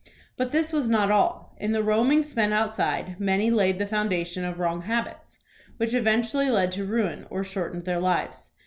But this was not all. In the roamings spent outside many laid the foundation of wrong habits, which eventually led to ruin or shortened their lives.